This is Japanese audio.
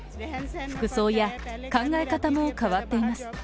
服装や考え方も変わっています。